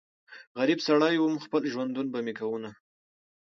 غريب سړی ووم خپل ژوندون به مې کوونه